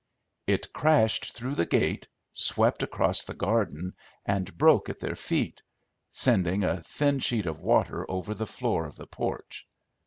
It crashed through the gate, swept across the garden and broke at their feet, sending a thin sheet of water over the floor of the porch.